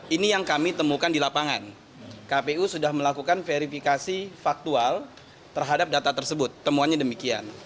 ini yang kami temukan di lapangan kpu sudah melakukan verifikasi faktual terhadap data tersebut temuannya demikian